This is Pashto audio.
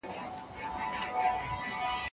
که د علم سره اجنډا وي، نو موږ پرمختګ نه شو کولی.